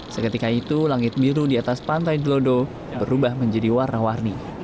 seketika itu langit biru di atas pantai delodo berubah menjadi warna warni